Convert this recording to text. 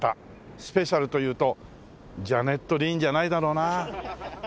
スペシャルというとジャネット・リンじゃないだろうな。